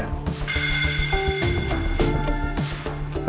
ini terkait dengan istri saya